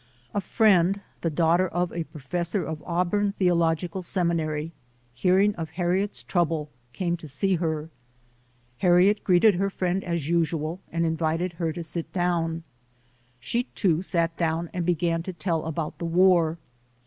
A friend, the daughter of a professor of Auburn Theological Seminary, hearing of Harriet's trouble, came to see her. Harriet greeted her friend as usual and invited her to sit down; she too sat down and began to tell about the war.